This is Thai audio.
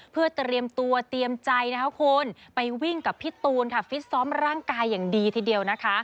เพื่อเตรียมตัวเตรียมใจนะคะคุณไปวิ่งกับพี่ตูนค่ะฟิตซ้อมร่างกายอย่างดีทีเดียวนะคะ